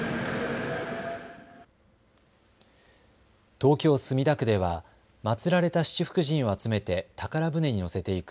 東京、墨田区ではまつられた七福神を集めて宝船に乗せていく